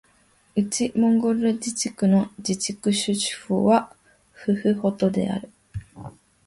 内モンゴル自治区の自治区首府はフフホトである